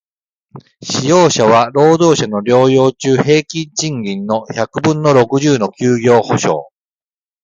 使用者は、労働者の療養中平均賃金の百分の六十の休業補償